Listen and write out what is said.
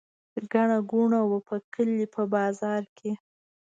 ګڼه ګوڼه وه په کلي په بازار کې.